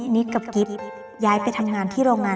นิดอย่าทิ้งพี่ไป